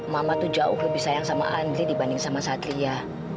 mama tuh jauh lebih sayang sama andri dibanding sama satria